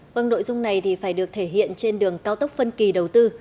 vâng nội dung này thì phải được thể hiện trên đường cao tốc phân kỳ đầu tư